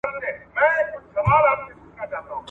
• گاهي ادې لاندي، گاهي بابا.